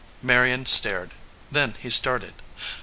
Marion stared. Then he started.